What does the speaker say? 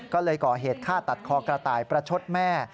ก็เลยก่อเหตุฆ่าตัดคอกระต่ายประชดแม่